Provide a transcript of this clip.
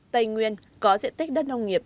tây nguyên có diện tích đất nông nghiệp